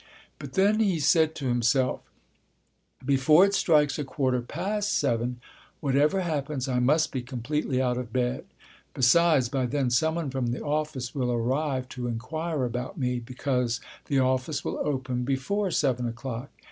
But then he said to himself, "Before it strikes a quarter past seven, whatever happens I must be completely out of bed. Besides, by then someone from the office will arrive to inquire about me, because the office will open before seven o'clock."